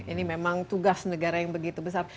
ini memang tugas negara yang begitu besar